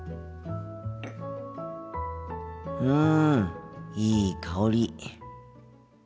うんいい香り。